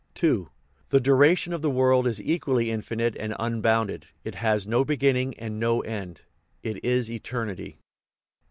II. The duration of the world is equally infinite and unbounded ; it has no beginning and no end : it is eternity.